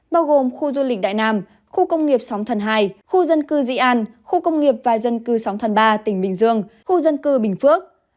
bao gồm khu du lịch đại nam khu công nghiệp sóng thần hai khu dân cư dị an khu công nghiệp và dân cư sóng thần ba tỉnh bình dương khu dân cư bình phước